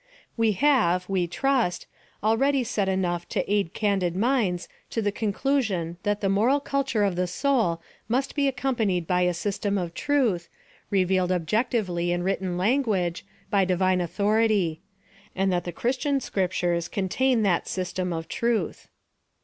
We have, we trust, already said enough to aid candid minds to the conclusion that the moral cul ture of the soul must be accomplished by a system of Truth, revealed objectively in written language, by Divine authority ; and that the Christian Scrip tures contain that system of Truth.